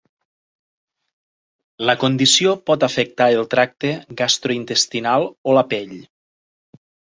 La condició pot afectar el tracte gastrointestinal o la pell.